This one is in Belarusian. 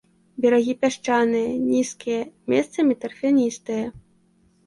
Берагі пясчаныя, нізкія, месцамі тарфяністыя.